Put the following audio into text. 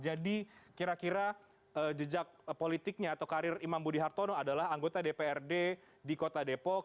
jadi kira kira jejak politiknya atau karir imam budi hartono adalah anggota dprd di kota depok